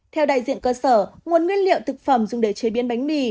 theo đại diện cơ sở nguồn nguyên liệu thực phẩm dùng để chế biến bánh mì